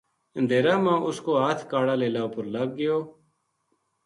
اندھیرا ما اس کو ہتھ کاڑا لیلا اپر لگ گیو